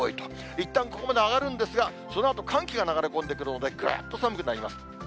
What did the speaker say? いったんここまで上がるんですが、そのあと寒気が流れ込んでくるので、ぐっと寒くなります。